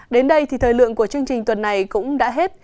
đến đây thì thời lượng của chương trình tuần này cũng đã hết